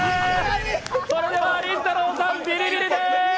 りんたろーさん、ビリビリです。